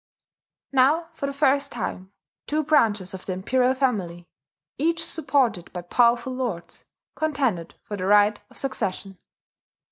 Now for the first time, two branches of the Imperial family, each supported by powerful lords, contended for the right of succession.